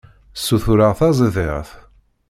Ssutureɣ taẓidirt.